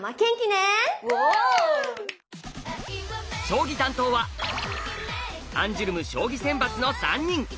将棋担当はアンジュルム将棋選抜の３人。